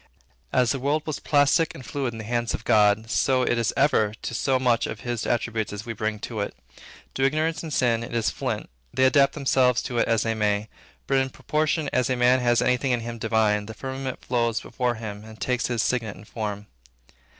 As the world was plastic and fluid in the hands of God, so it is ever to so much of his attributes as we bring to it. To ignorance and sin, it is flint. They adapt themselves to it as they may; but in proportion as a man has any thing in him divine, the firmament flows before him and takes his signet and form.